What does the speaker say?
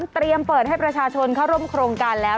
เตรียมเปิดให้ประชาชนเขาร่มโครงการแล้ว